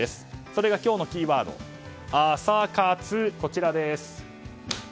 それが今日のキーワードアサカツです。